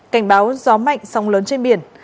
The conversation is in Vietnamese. cảnh báo gió mạnh sóng lớn trên biển